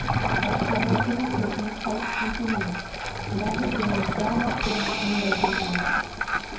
Altogether it had taken quite twenty minutes, and I had gained all that time in the open air.